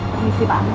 permisi pak alex